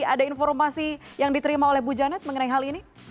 ada informasi yang diterima oleh bu janet mengenai hal ini